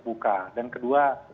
buka dan kedua